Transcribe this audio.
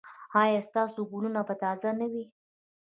ایا ستاسو ګلونه به تازه نه وي؟